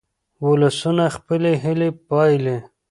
ولسونه خپلې هیلې بایلي.